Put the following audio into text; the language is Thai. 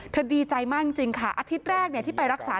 ดีใจมากจริงค่ะอาทิตย์แรกที่ไปรักษา